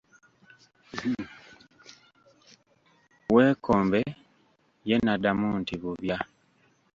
Weekombe ye n'addamu nti bubya.